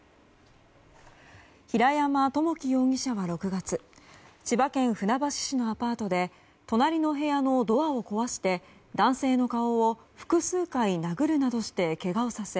平山智樹容疑者は６月千葉県船橋市のアパートで隣の部屋のドアを壊して男性の顔を複数回殴るなどしてけがをさせ